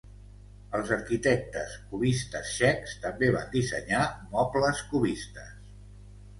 Els arquitectes cubistes txecs també van dissenyar mobles cubistes.